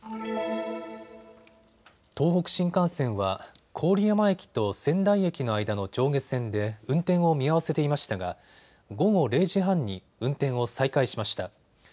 東北新幹線は郡山駅と仙台駅の間の上下線で運転を見合わせていましたが午後０時半に運転を再開しました。